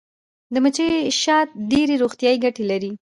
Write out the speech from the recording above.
د مچۍ شات ډیرې روغتیایي ګټې لري